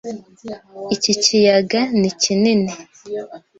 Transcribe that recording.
Iki kiyaga ni kinini!